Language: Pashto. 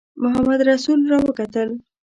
محمدرسول را وکتل.